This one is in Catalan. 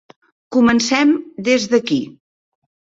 Comencem des d'aquí.